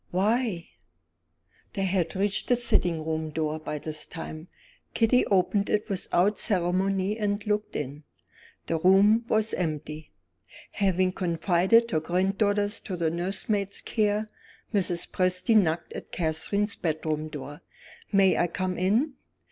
"Why?" They had reached the sitting room door by this time. Kitty opened it without ceremony and looked in. The room was empty. Having confided her granddaughter to the nursemaid's care, Mrs. Presty knocked at Catherine's bedroom door. "May I come in?"